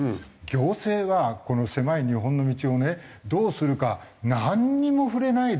行政はこの狭い日本の道をねどうするかなんにも触れないで。